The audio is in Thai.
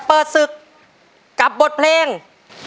เรียกประกันแล้วยังคะ